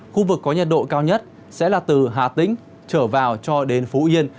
khu vực có nhiệt độ cao nhất sẽ là từ hà tĩnh trở vào cho đến phú yên